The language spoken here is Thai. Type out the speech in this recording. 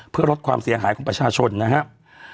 เพื่อลดความเสียหายของประชาชนนะครับ